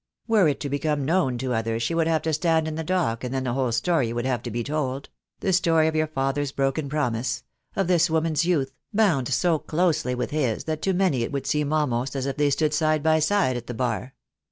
Were it to become known to others she would have to stand in the dock, and then the whole story would have to be told — the story of your father's broken promise — of this woman's youth, bound so closely with his that to many it would seem almost as if they stood side by side at the bar.